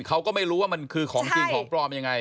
เขาก็ไม่รู้ว่ามันคือของจริงของปลอมยังไง